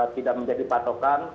tidak menjadi patokan